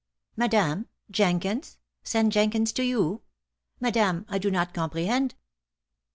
"Madame! Jenkins? Send Jenkins to you? Madame, I do not comprehend."